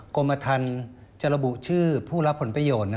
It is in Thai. กรมทันจะระบุชื่อผู้รับผลประโยชน์